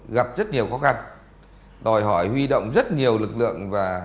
gặp nhiều khó khăn